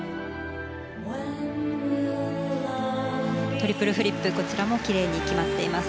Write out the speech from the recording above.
トリプルフリップこちらも奇麗に決まっています。